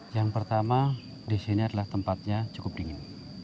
yang pertama di sini adalah tempatnya cukup dingin